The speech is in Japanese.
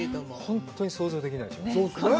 本当に想像できないでしょう。